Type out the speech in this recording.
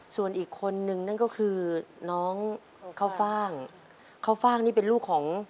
ส่วนอีกคนนึงนั่นก็คือน้องข้าวฟ่างข้าวฟ่างนี่เป็นลูกของ